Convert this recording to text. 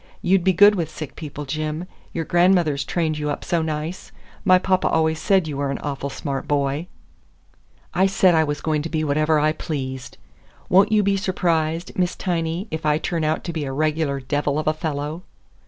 You'd be good with sick people, Jim. Your grandmother's trained you up so nice. My papa always said you were an awful smart boy." I said I was going to be whatever I pleased. "Won't you be surprised, Miss Tiny, if I turn out to be a regular devil of a fellow?"